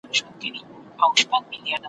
ورو په ورو یې ور په زړه زړې نغمې کړې `